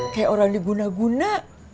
kayak orang diguna guna